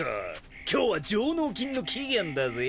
今日は上納金の期限だぜ。